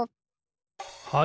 はい。